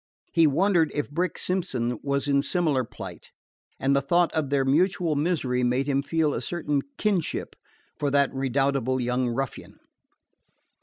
He wondered if Brick Simpson was in similar plight, and the thought of their mutual misery made him feel a certain kinship for that redoubtable young ruffian.